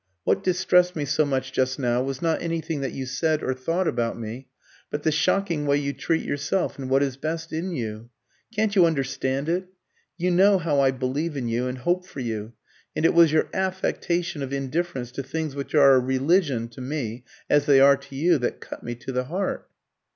What distressed me so much just now was not anything that you said or thought about me, but the shocking way you treat yourself and what is best in you. Can't you understand it? You know how I believe in you and hope for you, and it was your affectation of indifference to things which are a religion to me as they are to you that cut me to the heart."